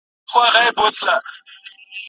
ځینې خلګ یوازې د نمرې لپاره سبق وایي.